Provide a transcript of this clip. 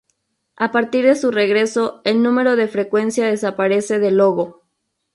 A partir de su regreso, el número de frecuencia desaparece del logo.